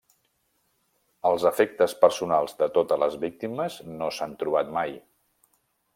Els efectes personals de totes les víctimes no s'han trobat mai.